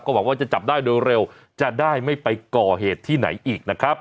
หวังว่าจะจับได้โดยเร็วจะได้ไม่ไปก่อเหตุที่ไหนอีกนะครับ